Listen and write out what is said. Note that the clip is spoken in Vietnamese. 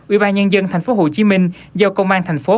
ubnd tp hcm do công an thành phố